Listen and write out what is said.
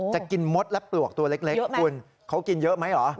จะกินมดและปลวกตัวเล็กคุณเขากินเยอะไหมเหรอ